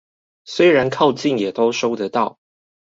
雖然靠近也都收得到